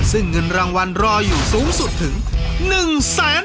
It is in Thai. ซึ่งเงินรางวัลรออยู่สูงสุดถึง๑แสนบาท